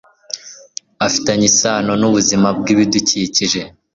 afitanye isano n ubuzima bw ibidukikije